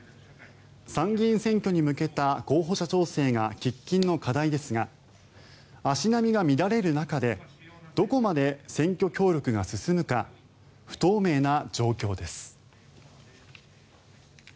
参議院選挙に向けた候補者調整が喫緊の課題ですが足並みが乱れる中でどこまで選挙協力が進むか不透明な状況です。